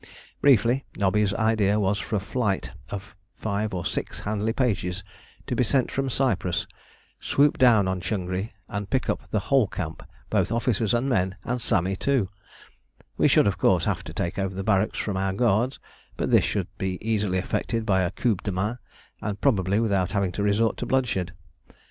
Briefly, Nobby's idea was for a flight of five or six Handley Pages to be sent from Cyprus, swoop down on Changri, and pick up the whole camp, both officers and men and Sami too. We should, of course, have to take over the barracks from our guards, but this should be easily effected by a coup de main, and probably without having to resort to bloodshed.